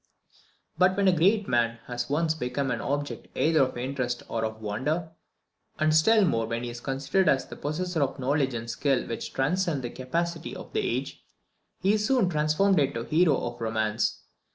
But when a great man has once become an object either of interest or of wonder, and still more when he is considered as the possessor of knowledge and skill which transcend the capacity of the age, he is soon transformed into the hero of romance.